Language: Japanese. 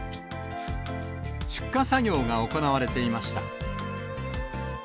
出荷作業が行われていました。